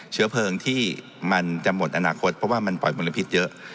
เชื้อเพลิงที่มันจะหมดอนาคตเพราะว่ามันปล่อยมลพิษเยอะ